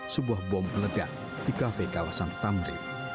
sebuah bom meledak di kafe kawasan tamrin